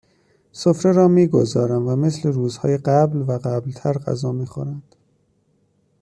سفره را میگذارم و مثل روزهای قبل و قبلتر غذا میخورند